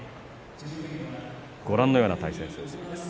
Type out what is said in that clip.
ご覧のような対戦成績です。